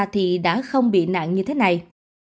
thì đã không bị nạn như thế này